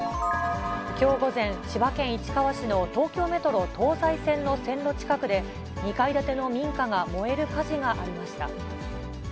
きょう午前、千葉県市川市の東京メトロ東西線の線路近くで、２階建ての民家が燃える火事がありました。